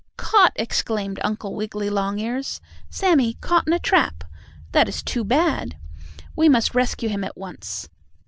"Caught!" exclaimed Uncle Wiggily Longears. "Sammie caught in a trap! That is too bad! We must rescue him at once.